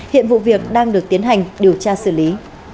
hiện vụ việc đang được tiến hành điều tra xử lý